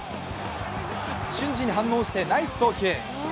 瞬時に反応してナイス送球。